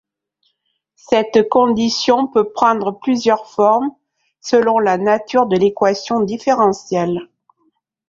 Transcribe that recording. Cette condition peut prendre plusieurs formes selon la nature de l'équation différentielle.